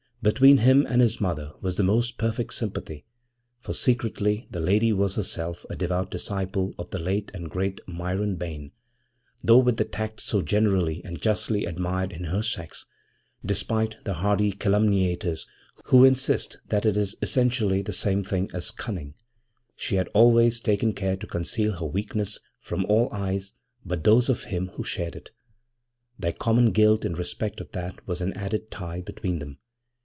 Between him and his mother was the most perfect sympathy, for secretly the lady was herself a devout disciple of the late and great Myron Bayne, though with the tact so generally and justly admired in her sex (despite the hardy calumniators who insist that it is essentially the same thing as cunning) she had always taken care to conceal her weakness from all eyes but those of him who shared it. Their common guilt in respect of that was an added tie between them.